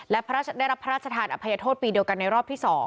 และได้รับพระราชทานอภัยโทษปีเดียวกันในรอบที่๒